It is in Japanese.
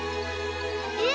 えっ！？